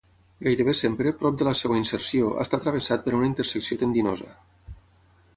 Gairebé sempre, prop de la seva inserció, està travessat per una intersecció tendinosa.